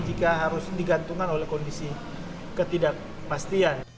jika harus digantungkan oleh kondisi ketidakpastian